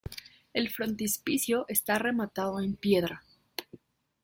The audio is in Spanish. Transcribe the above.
El frontispicio está rematado en piedra.